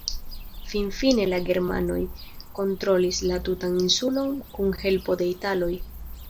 Finfine la germanoj kontrolis la tutan insulon kun helpo de italoj.